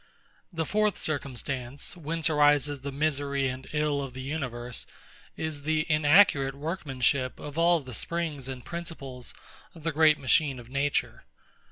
The fourth circumstance, whence arises the misery and ill of the universe, is the inaccurate workmanship of all the springs and principles of the great machine of nature.